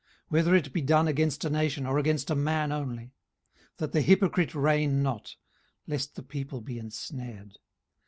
whether it be done against a nation, or against a man only: 18:034:030 That the hypocrite reign not, lest the people be ensnared.